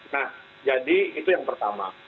nah jadi itu yang pertama